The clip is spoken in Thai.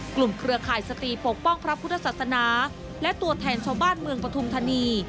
เครือข่ายสตรีปกป้องพระพุทธศาสนาและตัวแทนชาวบ้านเมืองปฐุมธานี